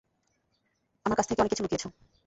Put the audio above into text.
আমার কাছ থেকে, অনেক কিছু লুকিয়েছো।